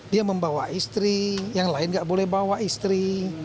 dia membawa istri yang lain tidak boleh membawa istri